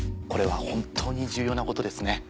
これは本当に重要なことですね。